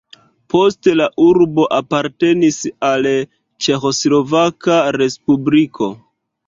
Poste la urbo apartenis al Ĉeĥoslovaka respubliko.